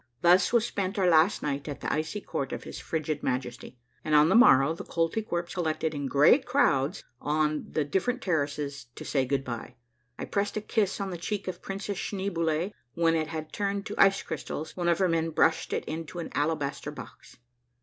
Thus was spent our last night at the icy court of his frigid Majesty, and on the morrow the Koltykwerps collected in great crowds on tlie differ ent terraces to say good by. I pressed a kiss on the cheek of Princess Schneeboule, and when it had turned to ice crystals, one of her men brushed it into an alabaster box.